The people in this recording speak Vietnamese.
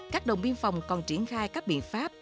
các đồng biên phòng còn triển khai các biện pháp